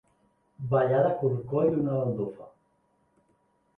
Ballar de corcoll una baldufa.